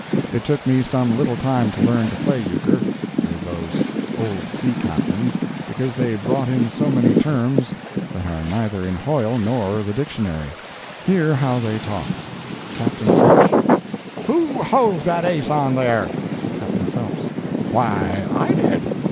It took me some little time to learn to play euchre with those old sea captains, because they brought in so many terms that are neither in Hoyle nor the dictionary. Hear how they talked: Captain Fitch—"Who hove that ace on there?" Captain Phelps—"Why, I did."